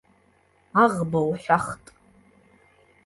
Аӷба уҳәахт!